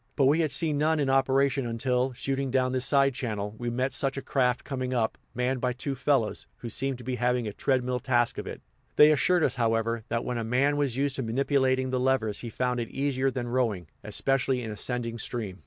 But we had seen none in operation until, shooting down this side channel, we met such a craft coming up, manned by two fellows, who seemed to be having a treadmill task of it; they assured us, however, that when a man was used to manipulating the levers he found it easier than rowing, especially in ascending stream.